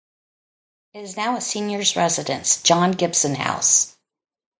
It is now a seniors' residence, John Gibson House.